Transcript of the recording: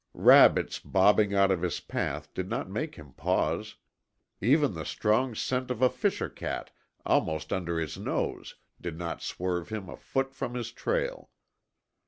Rabbits bobbing out of his path did not make him pause; even the strong scent of a fisher cat almost under his nose did not swerve him a foot from his trail.